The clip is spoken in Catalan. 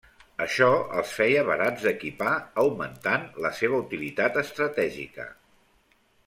Això els feia barats d'equipar, augmentant la seva utilitat estratègica.